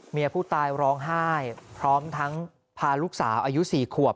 เมียผู้ตายร้องไห้พร้อมทั้งพาลูกสาวอายุ๔ขวบ